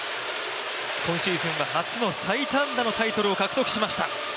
今シーズンは初の最多安打のタイトルを獲得しました。